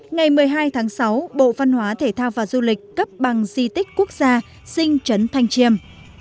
ngày một mươi hai tháng sáu bộ văn hóa thể thao và du lịch cấp bằng di tích quốc gia sinh chấn thanh chiêm